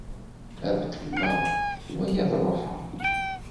Ad qqimeɣ wala ad ruḥeɣ.